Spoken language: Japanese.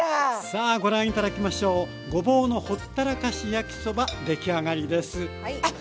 さあご覧頂きましょうごぼうのほったらかし焼きそば出来上がりですあっ